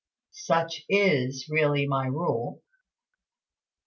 "Such is really my rule."